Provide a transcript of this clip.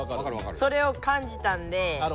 それを感じたんで。